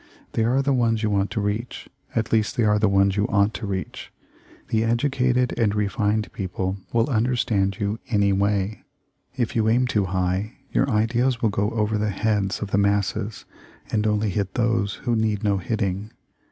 They are the ones you want to reach — at least they are the ones you ought to reach. The educated and re fined people will understand you any way. If you aim too high your ideas will go over the heads of the masses, and only hit those who need no hitting."